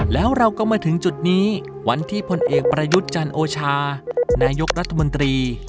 แล้วเราก็มาถึงจุดนี้วันที่พลเอกประยุทธ์จันโอชานายกรัฐมนตรี